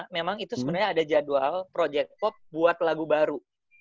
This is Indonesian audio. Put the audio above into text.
memang itu sebenarnya ada jadwal project cop buat lagu baru